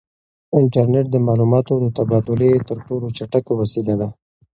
انټرنیټ د معلوماتو د تبادلې تر ټولو چټکه وسیله ده.